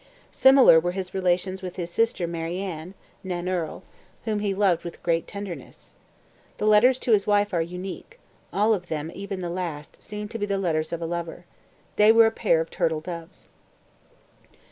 Similar were his relations with his sister Marianne (Nannerl), whom he loved with great tenderness. The letters to his wife are unique; all of them, even the last, seem to be the letters of a lover. They were a pair of turtle doves.